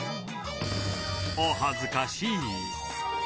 お恥ずかしい